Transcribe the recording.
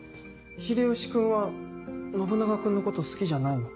秀吉君は信長君のこと好きじゃないの？